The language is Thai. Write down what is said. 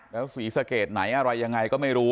แล้วศรีสะเกดไหนอะไรยังไงก็ไม่รู้